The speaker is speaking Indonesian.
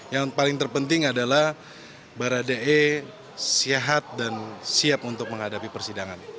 yang paling terpenting adalah baradae sehat dan siap untuk menghadapi persidangan